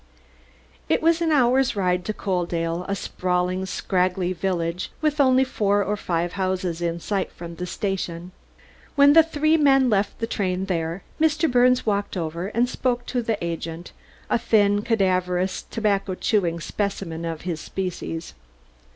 It was an hour's ride to Coaldale, a sprawling, straggly village with only four or five houses in sight from the station. When the three men left the train there, Mr. Birnes walked over and spoke to the agent, a thin, cadaverous, tobacco chewing specimen of his species.